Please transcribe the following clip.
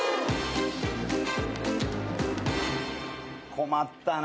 困ったな。